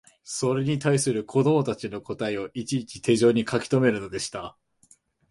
それに対する子供たちの答えをいちいち手帖に書きとめるのでした